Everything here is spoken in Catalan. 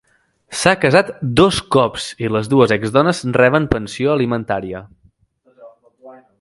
S'ha casat dos cops i les dues exdones reben pensió alimentària.